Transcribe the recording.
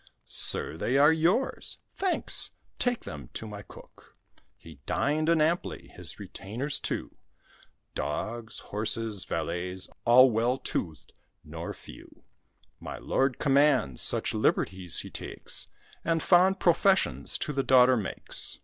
"Sir, they are yours." "Thanks: take them to my cook." He dined, and amply; his retainers, too; Dogs, horses, valets, all well toothed, nor few; My lord commands, such liberties he takes, And fond professions to the daughter makes.